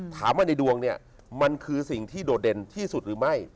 ถามว่าในดวงเนี่ยมันคือสิ่งที่โดดเด่นที่สุดหรือไม่